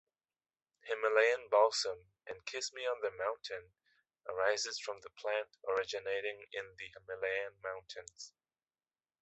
Himalayan Balsam and Kiss-me-on-the-mountain arise from the plant originating in the Himalayan mountains.